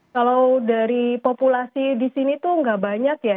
kalau dari populasi di sini tuh nggak banyak ya